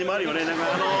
何かあの。